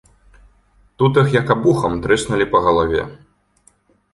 Тут іх як абухом трэснулі па галаве.